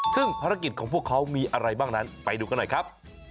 ซึ่งภารกิจของพวกเขามีอะไรบ้างนั้นไปดูกันหน่อยครับ